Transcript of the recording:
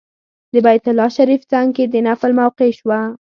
د بیت الله شریف څنګ کې د نفل موقع شوه.